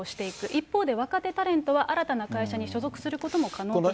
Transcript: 一方で、若手タレントは新たな会社に所属することも可能としています。